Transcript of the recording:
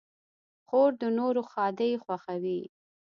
خور د نورو ښادۍ خوښوي.